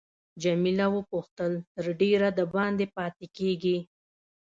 جميله وپوښتل تر ډېره دباندې پاتې کیږې.